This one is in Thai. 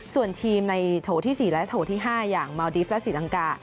ส่วนทีมในโถที่๔และโถที่๕อย่างเมาดีฟและศรีลังกา